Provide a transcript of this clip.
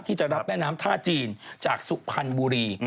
ที่จะรับแม่น้ำท่าจีนจากสุพรรณบุรี